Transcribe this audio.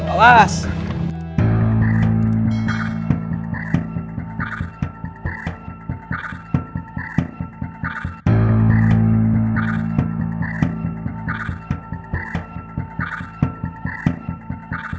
nungkan ini turunan nih